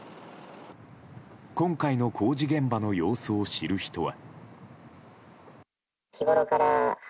今回の工事現場の様子を知る人は。